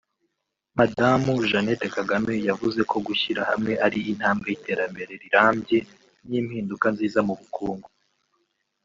Madamu Jeannette Kagame yavuze ko gushyira hamwe ari intambwe y’iterambere rirambye n’impinduka nziza mu bukungu